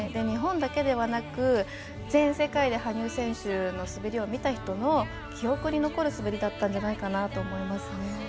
日本だけではなく全世界で羽生選手の滑りを見た人の記憶に残る滑りだったんじゃないかなと思いますね。